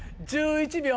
１１秒？